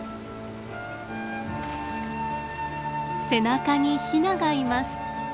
背中にヒナがいます。